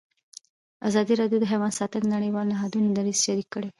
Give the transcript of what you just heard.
ازادي راډیو د حیوان ساتنه د نړیوالو نهادونو دریځ شریک کړی.